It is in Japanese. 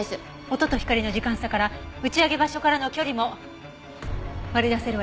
音と光の時間差から打ち上げ場所からの距離も割り出せるわよね？